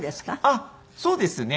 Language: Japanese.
あっそうですね。